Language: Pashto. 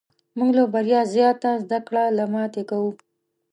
موږ له بریا زیاته زده کړه له ماتې کوو.